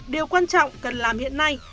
điều quan trọng cần làm hiện nay